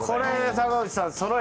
坂口さん。